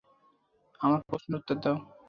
আমার প্রশ্নের উত্তর দাও।